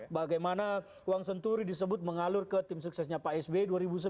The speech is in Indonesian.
bagaimana uang senturi disebut mengalur ke tim suksesnya pak sby dua ribu sebelas